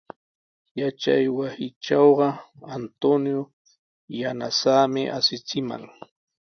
Yachaywasitrawqa Antonio yanasaami asichimaq.